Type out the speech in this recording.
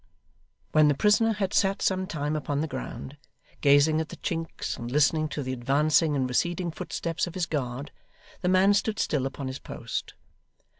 When the prisoner had sat sometime upon the ground, gazing at the chinks, and listening to the advancing and receding footsteps of his guard, the man stood still upon his post.